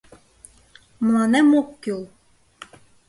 Мыланем ок кӱл